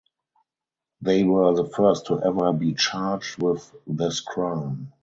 They were the first to ever be charged with this crime.